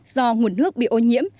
do nguồn nước bị ô nhiễm